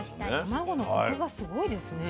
卵のコクがすごいですね。